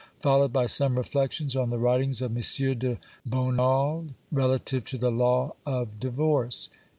... Followed by some Reflections on the writings of M. de B (onald) relative to the Law of Divorce," 1816.